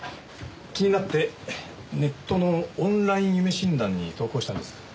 気になってネットのオンライン夢診断に投稿したんです。